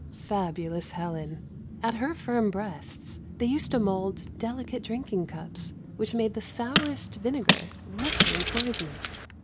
Fabulous Helen ! At her firm breasts they used to mould delicate drinking cups which made the sourest vinegar richly poisonous.